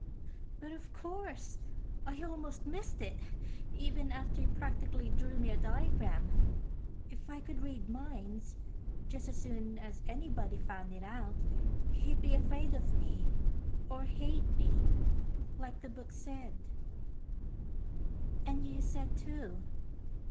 "But of course. I almost missed it, even after you practically drew me a diagram. If I could read minds, just as soon as anybody found it out, he'd be afraid of me, or hate me, like the book said, and you said, too.